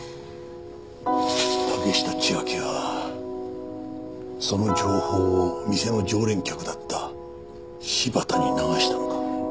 竹下千晶はその情報を店の常連客だった柴田に流したのか？